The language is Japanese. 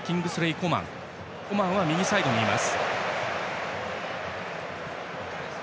コマンは右サイドにいます。